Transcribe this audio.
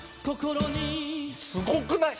すごくない！？